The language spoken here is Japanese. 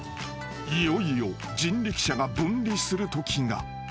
［いよいよ人力車が分離するときが］